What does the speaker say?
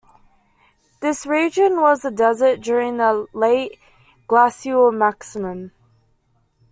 This region was a desert during the Late Glacial Maximum.